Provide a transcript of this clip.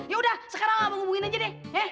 yaudah sekarang abang hubungin aja deh